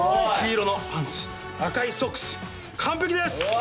黄色のパンツ赤いソックス完璧です！